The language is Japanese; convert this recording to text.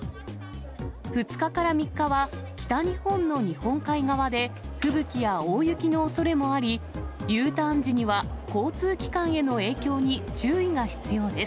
２日から３日は、北日本の日本海側で吹雪や大雪のおそれもあり、Ｕターン時には交通機関への影響に注意が必要です。